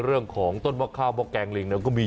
ยืนยันว่าม่อข้าวมาแกงลิงทั้งสองชนิด